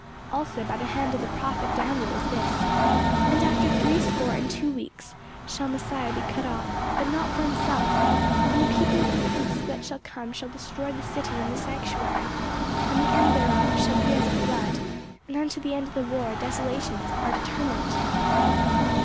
Also by the hand of the prophet Daniel is this: 'And after three score and two weeks shall Messiah be cut off, but not for himself, and the people of the prince that shall come shall destroy the city and the sanctuary; and the end thereof shall be as a flood, and unto the end of the war desolations are determined.